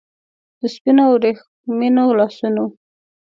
د سپینو او وریښمینو لاسونو